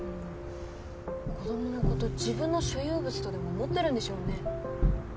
子供のこと自分の所有物とでも思ってるんでしょうね。